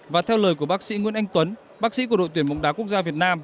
và theo lời của bác sĩ nguyễn anh tuấn bác sĩ của đội tuyển bóng đá quốc gia việt nam